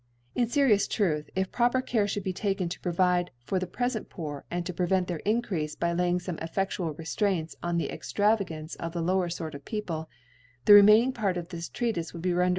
* In ferious Truth, if proper Care (houkl be taken to provide for the prefent Poor, and to prevent their Encreafe by laying fome effe£bual Reftraints on the Extravagance of I the lower Sort of People, the remaining Part of this Treatife would hz rendered of ♦ Page 88..